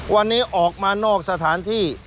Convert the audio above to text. วันนี้ออกมานอกสถานที่